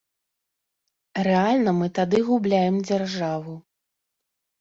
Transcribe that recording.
Рэальна мы тады губляем дзяржаву.